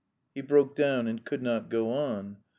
_" He broke down and could not go on.